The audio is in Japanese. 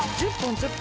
１０本。